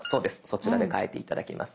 そちらで変えて頂きます。